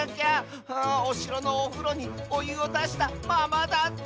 あぁおしろのおふろにおゆをだしたままだった」。